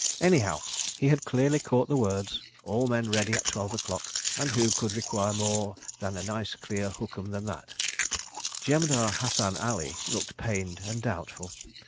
Anyhow, he had clearly caught the words "all men ready at twelve o'clock"—and who could require more than a nice clear hookum like that. Jemadar Hassan Ali looked pained and doubtful.